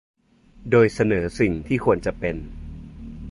โดยเสนอสิ่งที่ควรจะเป็น